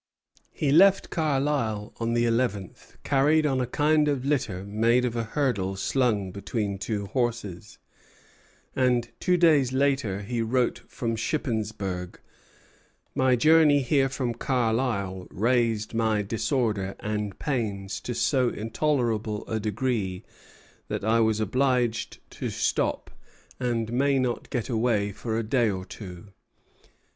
He left Carlisle on the eleventh, carried on a kind of litter made of a hurdle slung between two horses; and two days later he wrote from Shippensburg: "My journey here from Carlisle raised my disorder and pains to so intolerable a degree that I was obliged to stop, and may not get away for a day or two."